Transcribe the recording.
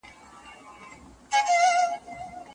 که تاسو پلټنه کوئ نو د پخوانیو اثارو سمه مطالعه حتمي ده.